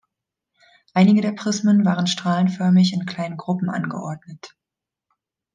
Einige der Prismen waren strahlenförmig in kleinen Gruppen angeordnet.